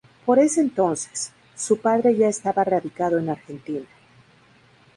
Por ese entonces, su padre ya estaba radicado en Argentina.